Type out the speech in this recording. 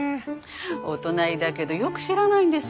お隣だけどよく知らないんですよ。